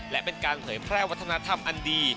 และเป็นการเผยแพร่วัฒนธรรมอันดี